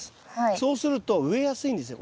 そうすると植えやすいんですよ